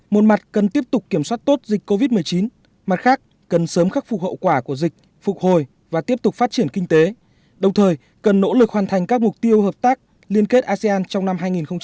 một mặt cần tiếp tục kiểm soát tốt dịch covid một mươi chín mặt khác cần sớm khắc phục hậu quả của dịch phục hồi và tiếp tục phát triển kinh tế đồng thời cần nỗ lực hoàn thành các mục tiêu hợp tác liên kết asean trong năm hai nghìn hai mươi